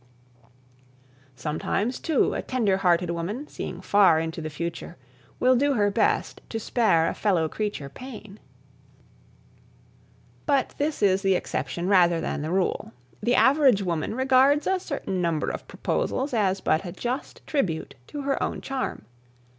Sometimes, too, a tender hearted woman, seeing far into the future, will do her best to spare a fellow creature pain. [Sidenote: The Wine of Conquest] But this is the exception, rather than the rule. The average woman regards a certain number of proposals as but a just tribute to her own charm.